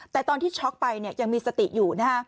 แต่ตอนที่ช็อกไปยังมีสติอยู่นะฮะ